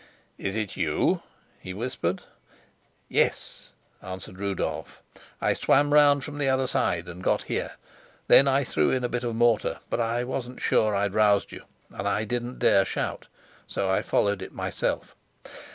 "Is it you?" he whispered. "Yes," answered Rudolf; "I swam round from the other side and got here. Then I threw in a bit of mortar, but I wasn't sure I'd roused you, and I didn't dare shout, so I followed it myself.